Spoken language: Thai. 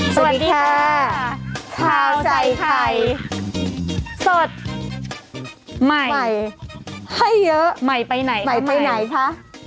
สวัสดีค่ะข้าวใจไข่สดใหม่ให้เยอะใหม่ไปไหนคะ